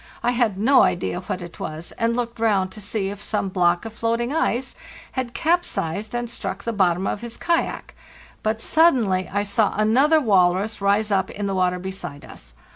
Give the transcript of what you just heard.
I had no idea what it was, and looked round to see if some block of floating ice had capsized and struck the bottom of his kayak ; but suddenly I saw another walrus rise up in the water beside us.